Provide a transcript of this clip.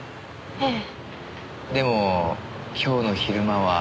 ええ。